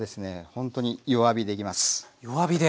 ほんとに弱火でいきます。